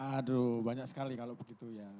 aduh banyak sekali kalau begitu ya